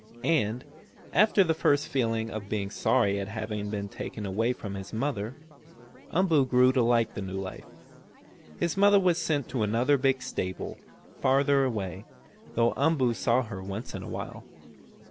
And, after the first feeling of being sorry at having been taken away from his mother, Umboo grew to like the new life. His mother was sent to another big stable, farther away, though Umboo saw her once in a while.